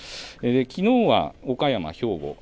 きのうは岡山、兵庫